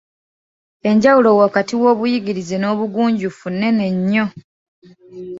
Enjawulo wakati w’obuyigirize n’obugunjufu nnene nnyo.